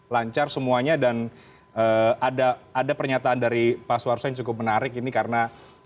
lancar semuanya dan ada pernyataan dari pak suarso yang cukup menarik ini karena